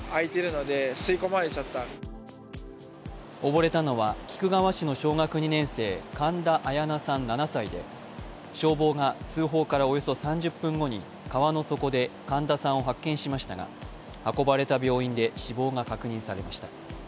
溺れたのは菊川市の小学２年生神田彩陽奈７歳で消防が通報からおよそ３０分後に川の底で神田さんを発見しましたが運ばれた病院で死亡が確認されました。